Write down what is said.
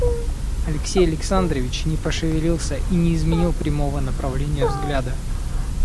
Алексей Александрович не пошевелился и не изменил прямого направления взгляда.